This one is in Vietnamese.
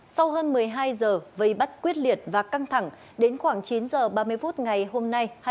sau hơn một mươi hai giờ vây bắt quyết liệt và căng thẳng đến khoảng chín h ba mươi phút ngày hôm nay